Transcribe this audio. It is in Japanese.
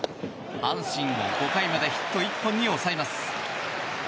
阪神を５回までヒット１本に抑えます。